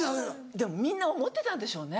でもみんな思ってたんでしょうね。